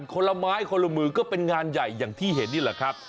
คนละไม้คนละมือก็เป็นงานใหญ่อย่างที่เห็นนี่แหละครับ